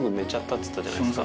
っつったじゃないですか。